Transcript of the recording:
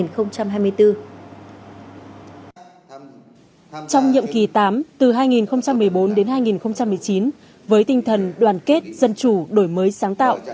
trong nhiệm kỳ tám từ hai nghìn một mươi bốn đến hai nghìn một mươi chín với tinh thần đoàn kết dân chủ đổi mới sáng tạo